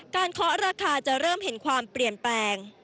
เคาะราคาจะเริ่มเห็นความเปลี่ยนแปลง